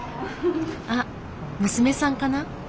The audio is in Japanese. あっ娘さんかな？